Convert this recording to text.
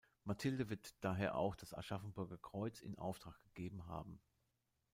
Mathilde wird daher auch das Aschaffenburger Kreuz in Auftrag gegeben haben.